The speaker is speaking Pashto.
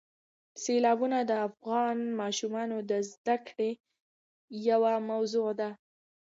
سیلابونه د افغان ماشومانو د زده کړې یوه موضوع ده.